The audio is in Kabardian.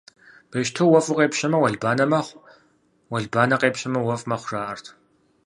Бещто уэфӀу къепщэмэ, уэлбанэ мэхъу, уэлбанэу къепщэмэ, уэфӀ мэхъу, жаӀэрт.